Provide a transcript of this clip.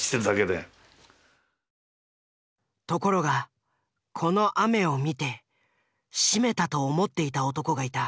ところがこの雨を見て「しめた」と思っていた男がいた。